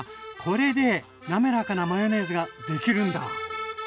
これでなめらかなマヨネーズができるんだ！